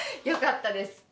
よかったです。